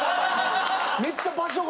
めっちゃ場所が。